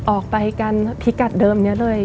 ออกไปกันพิกัดเดิมนี้เลย